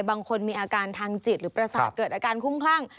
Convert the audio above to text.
บางคนมีอาการทางจิตหรือประสาทเกิดอาการคุ้มคลั่ง